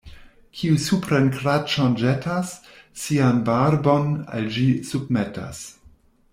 Kiu supren kraĉon ĵetas, sian barbon al ĝi submetas.